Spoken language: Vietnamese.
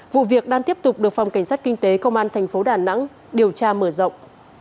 vụ việc đang tiếp tục được phòng cảnh sát kinh tế công an thành phố đà nẵng điều tra mở rộng